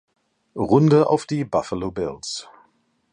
Runde auf die Buffalo Bills.